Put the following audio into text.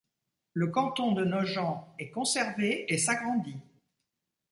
Le canton de Nogent est conservé et s'agrandit.